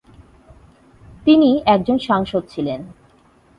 তিনি একজন সাংসদ ছিলেন।